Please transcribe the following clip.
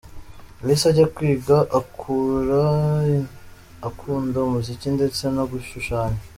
Yahise ajya kwiga, akura akunda umuziki ndetse no gushushanya.